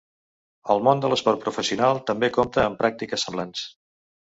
El món de l’esport professional també compta amb pràctiques semblants.